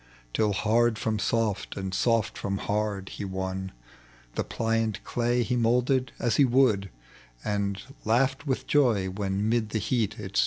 Till hard from soft," and soft from haxd, he won. The pliant clay he moulded as he would, And laughed with joy when 'mid the heat it stood